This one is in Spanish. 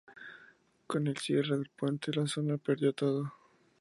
Con el cierre del puente, la zona perdió todo.